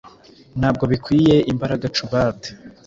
Ntabwo bikwiye imbaragachubbard